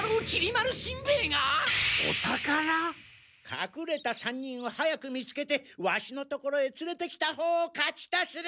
かくれた３人を早く見つけてワシの所へ連れてきたほうを勝ちとする。